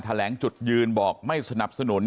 แถลงจุดยืนบอกไม่สนับสนุน